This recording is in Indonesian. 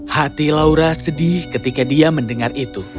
hati laura sedih ketika dia mendengar itu